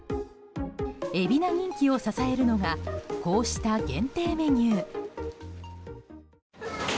海老名人気を支えるのがこうした限定メニュー。